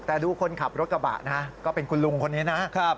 แต่ดูคนขับรถกระบะก็เป็นคุณลุงคนนี้นะ